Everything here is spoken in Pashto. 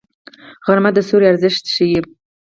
غرمه د سیوري ارزښت ښيي